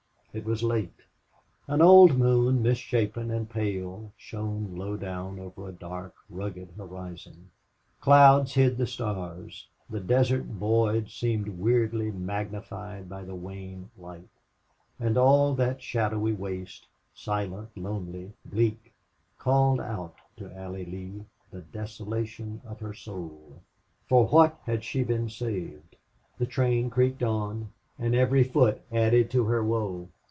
It was late. An old moon, misshapen and pale, shone low down over a dark, rugged horizon. Clouds hid the stars. The desert void seemed weirdly magnified by the wan light, and all that shadowy waste, silent, lonely, bleak, called out to Allie Lee the desolation of her soul. For what had she been saved? The train creaked on, and every foot added to her woe.